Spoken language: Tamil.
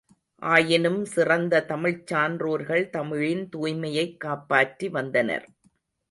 ஆயினும் சிறந்த தமிழ்ச் சான்றோர்கள் தமிழின் துய்மையைக் காப்பாற்றி வந்தனர்.